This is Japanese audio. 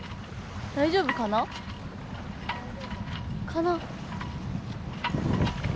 大丈夫かな？かな？